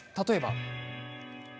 例えば。